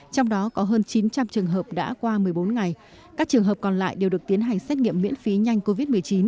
trong đó có hơn chín trăm linh trường hợp đã qua một mươi bốn ngày các trường hợp còn lại đều được tiến hành xét nghiệm miễn phí nhanh covid một mươi chín